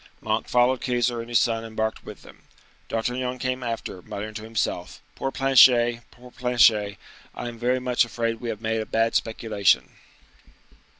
Monk followed Keyser and his son embarked with them. D'Artagnan came after, muttering to himself,—"Poor Planchet! poor Planchet! I am very much afraid we have made a bad speculation."